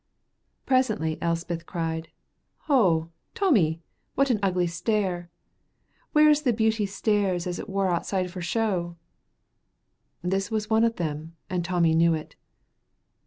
Presently Elspeth cried, "Oh, Tommy, what a ugly stair! Where is the beauty stairs as it wore outside for show?" This was one of them, and Tommy knew it.